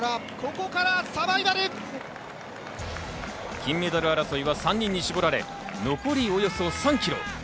金メダル争いは３人に絞られ、残りおよそ３ｋｍ。